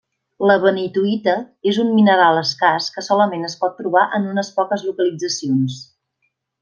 La Benitoïta és un mineral escàs que solament es pot trobar en unes poques localitzacions.